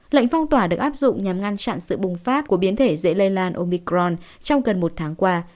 lệnh phong tỏa được áp dụng nhằm ngăn chặn sự bùng phát của biến thể dễ lây lan omicron trong gần một tháng qua